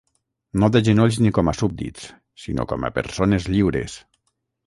No de genolls ni com a súbdits, sinó com a persones lliures.